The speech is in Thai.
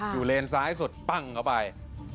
อยู่เลนซ้ายสุดปังเขาไป